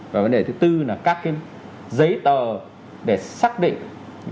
và vấn đề thứ tư là các cái giấy tờ để xác định cái tiền chi phí thuốc thang